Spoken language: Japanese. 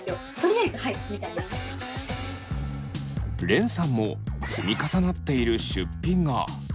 れんさんも積み重なっている出費が。